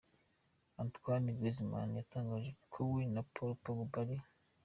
Antoine Griezmann yatangaje ko we na Paul Pogba ari.